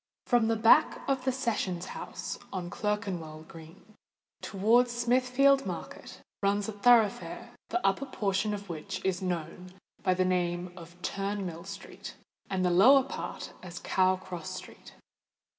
From the back of the Sessions House on Clerkenwell Green, towards Smithfield Market, runs a thoroughfare the upper portion of which is known by the name of Turnmill Street, and the lower part as Cow Cross Street.